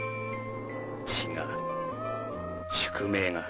血が宿命が